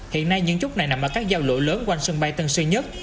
hiện nay những chút này nằm ở các giao lộ lớn quanh sân bay tân sĩ nhất